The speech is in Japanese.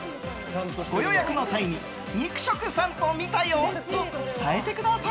ご予約の際に肉食さんぽ見たよと伝えてください。